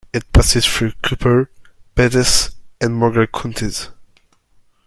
It passes through Cooper, Pettis, and Morgan counties.